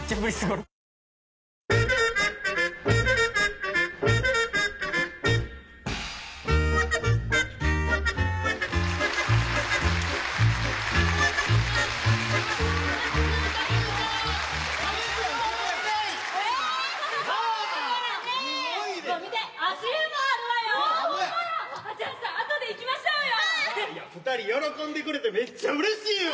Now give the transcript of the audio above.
いや二人喜んでくれてめっちゃうれしいわ。